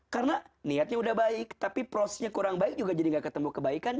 karena niatnya udah baik tapi prosesnya kurang baik juga jadi gak ketemu kebaikan